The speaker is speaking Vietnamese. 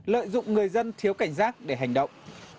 lợi dụng người dân thiếu cảnh giác để hành động